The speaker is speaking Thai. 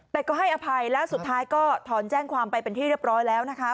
แต่ก็ให้อภัยแล้วสุดท้ายก็ถอนแจ้งความไปเป็นที่เรียบร้อยแล้วนะคะ